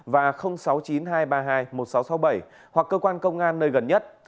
và sáu mươi chín hai trăm ba mươi hai một nghìn sáu trăm sáu mươi bảy hoặc cơ quan công an nơi gần nhất